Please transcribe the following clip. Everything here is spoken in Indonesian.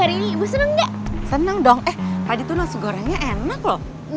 ini makanya angel